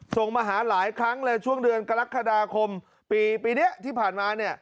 ส่งมาหาหลายครั้งเลยช่วงเดือนกรกฎาคมปีนี้ที่ผ่านมาเนี่ย